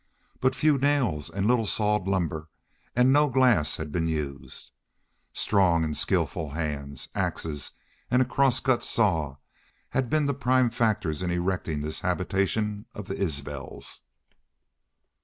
But few nails and little sawed lumber and no glass had been used. Strong and skillful hands, axes and a crosscut saw, had been the prime factors in erecting this habitation of the Isbels.